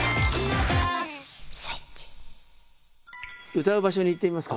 歌う場所に行ってみますか？